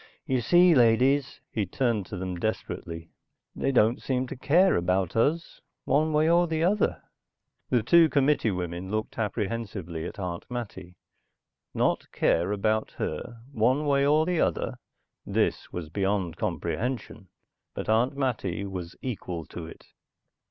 You see, ladies," he turned to them desperately. "They don't seem to care about us, one way or the other." The two committee women looked apprehensively at Aunt Mattie. Not to care about her, one way or the other? This was beyond comprehension. But Aunt Mattie was equal to it.